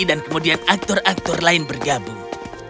kemudian aktor aktor lain bergabung